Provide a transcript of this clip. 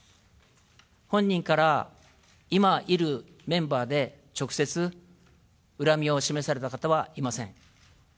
本人から今いるメンバーで、直接恨みを示された方はいません。